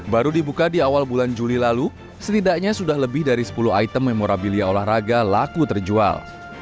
baru dibuka di awal bulan juli lalu setidaknya sudah lebih dari sepuluh item memorabilia olahraga laku terjual